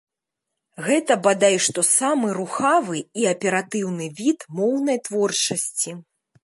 Гэта бадай што самы рухавы і аператыўны від моўнай творчасці.